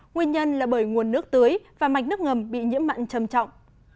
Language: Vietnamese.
nguyên nhân là bởi nguồn nước tưới và mạch nước ngầm bị nhiễm mặn trầm trọng